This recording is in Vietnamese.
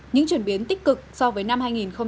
những chuyển biến tích cực so với năm hai nghìn một mươi tám